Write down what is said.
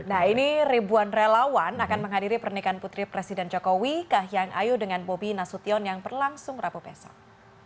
nah ini ribuan relawan akan menghadiri pernikahan putri presiden jokowi kahiyang ayu dengan bobi nasution yang berlangsung rabu besok